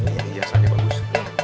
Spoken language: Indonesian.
ini iya rasanya bagus